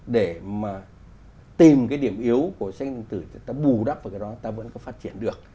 để mà tìm cái điểm yếu của sách nhân tử ta bù đắp vào cái đó ta vẫn có phát triển được